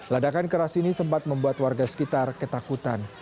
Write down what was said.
ledakan keras ini sempat membuat warga sekitar ketakutan